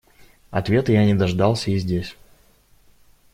Ответа я не дождался и здесь.